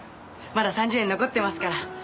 まだ３０円残ってますから。